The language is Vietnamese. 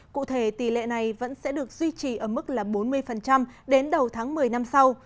cụ thể tỷ lệ này vẫn sẽ được duy trì ở mức là bốn mươi đến đầu tháng một mươi năm sau